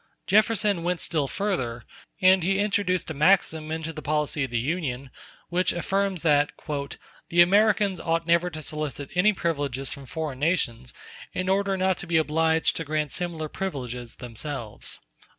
Jefferson went still further, and he introduced a maxim into the policy of the Union, which affirms that "the Americans ought never to solicit any privileges from foreign nations, in order not to be obliged to grant similar privileges themselves."